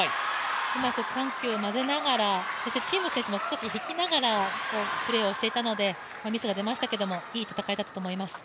うまく緩急をまぜながら、陳夢選手も少し引きながらプレーをしていたのでミスが出ましたけど、いい戦いだったと思います。